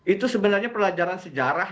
itu sebenarnya pelajaran sejarah